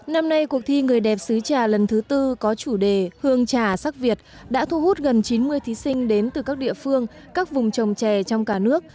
năm nay cuộc thi người đẹp xứ trà lần thứ tư có chủ đề hương trà sắc việt đã thu hút gần chín mươi thí sinh đến từ các địa phương các vùng trồng chè trong cả nước